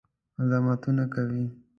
مزاحمتونه کوي.